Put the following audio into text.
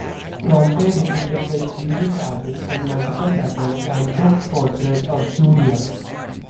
Pompey defeated the Jewish armies in multiple battles, and took the fortresses of Judea.